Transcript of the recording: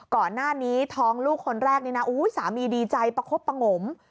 ก่อนหน้านี้ท้องลูกคนแรกนี่นะสามีดีใจประคบประงม